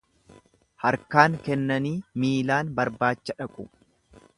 Harkaan kennanii miilaan barbaacha dhaqu.